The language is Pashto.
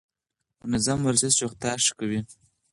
منظم ورزش روغتيا ښه کوي.